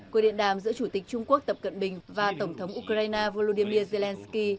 cuộc điện đàm giữa chủ tịch trung quốc tập cận bình và tổng thống ukraine volodymyr zelensky